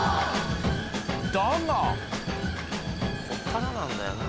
だがこっからなんだよな。